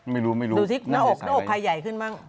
ไม่รู้หน้าไข่ใหญ่ขึ้นมั้ง